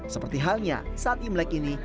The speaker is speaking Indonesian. seperti halnya saat imlek ini